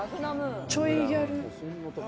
ちょいギャル？